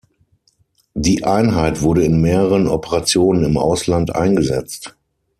Die Einheit wurde in mehreren Operationen im Ausland eingesetzt.